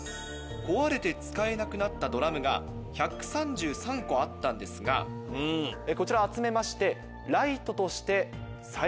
壊れて使えなくなったドラムが１３３個あったんですがこちらを集めまして。